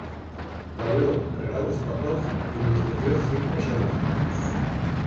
Trayió regalos pa toz y les ne dio firmes a los ninos.